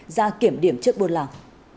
ra kiểm điểm trước buôn làng